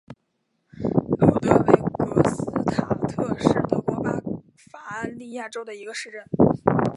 卢德维格斯塔特是德国巴伐利亚州的一个市镇。